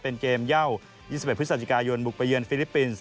เป็นเกมเย่า๒๑พฤศจิกายนบุกไปเยือฟิลิปปินส์